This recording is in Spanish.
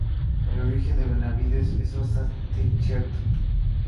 El origen de Benavides es bastante incierto.